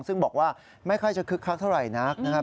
ซึ่งบอกว่าไม่ค่อยจะคึกคักเท่าไหร่นักนะครับ